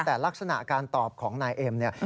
แต่ลักษณะการตอบของนายเอ็มเนี่ย